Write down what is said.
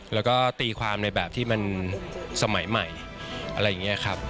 แล้วก็ตีความในแบบที่มันสมัยใหม่อะไรอย่างนี้ครับ